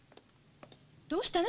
どうしたの？